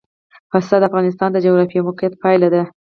پسه د افغانستان د جغرافیایي موقیعت پایله ده.